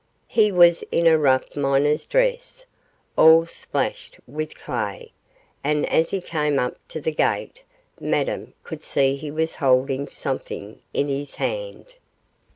He was in a rough miner's dress, all splashed with clay, and as he came up to the gate Madame could see he was holding something in his hand.